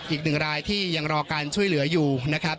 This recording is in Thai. อีกหนึ่งรายที่ยังรอการช่วยเหลืออยู่นะครับ